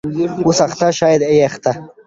.اوسې اخته شاید یا یې اخته